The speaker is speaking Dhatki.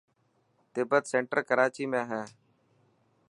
تبت سينٽر ڪراچي ۾ هي.